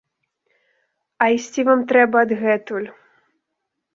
А ісці вам трэба адгэтуль.